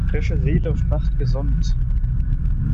Frische Seeluft macht gesund.